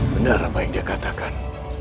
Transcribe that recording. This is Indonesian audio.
benar apa yang dia katakan